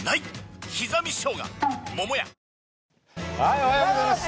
おはようございます！